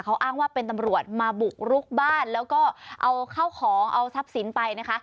เขาอ้างว่าเป็นตำรวจมาบุกรุกบ้านแล้วก็เอาข้าวของเอาทรัพย์สินไปนะคะ